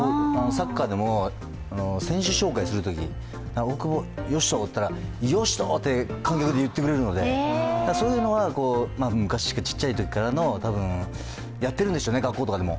サッカーでも、選手紹介するといき大久保嘉人だったら嘉人って観客が言ってくれるのでそういうのは小さいときからやっているんでしょうね、学校とかでも。